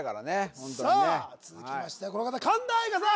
ホントにねさあ続きましてはこの方神田愛花さん